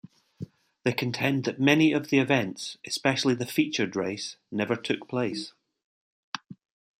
They contend that many of the events, especially the featured race, never took place.